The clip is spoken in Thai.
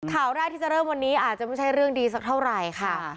ข่าวแรกที่จะเริ่มวันนี้อาจจะไม่ใช่เรื่องดีสักเท่าไหร่ค่ะ